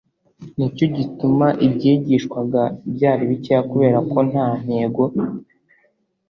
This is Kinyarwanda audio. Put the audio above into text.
nicyo gituma ibyigishwaga byari bikeya kubera ko nta ntego